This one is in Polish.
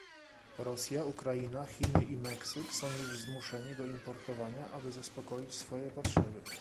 Rosja, Ukraina, Chiny i Meksyk, już są zmuszeni do importowania, aby zaspokoić swoje potrzeby